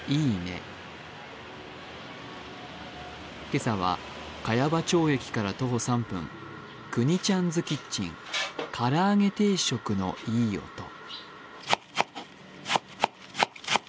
今朝は茅場町駅から徒歩３分くにちゃんずキッチンから揚げ定食のいい音。